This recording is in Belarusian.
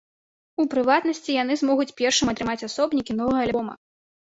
У прыватнасці, яны змогуць першымі атрымаць асобнікі новага альбома.